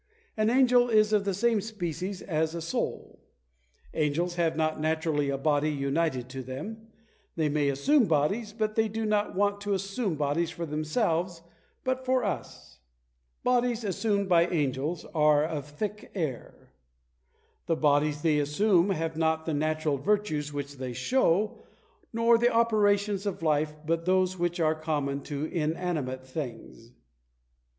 An angel is of the same species as a soul. Angels have not naturally a body united to them. They may assume bodies; but they do not want to assume bodies for themselves, but for us. The bodies assumed by angels are of thick air. The bodies they assume have not the natural virtues which they show, nor the operations of life, but those which are common to inanimate things.